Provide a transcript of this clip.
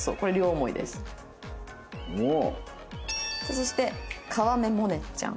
そして川目モネちゃん。